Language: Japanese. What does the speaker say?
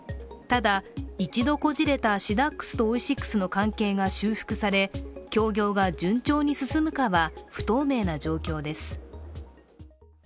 ただ、一度こじれたシダックスとオイシックスの関係が修復され、協業が順調に進むかは不透明な状況です。